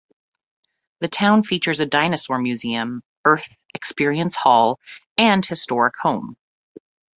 The town features a dinosaur museum, Earth Experience Hall, and historic home.